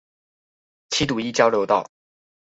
七堵一交流道